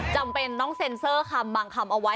จำเป็นต้องเซ็นเซอร์คำบางคำเอาไว้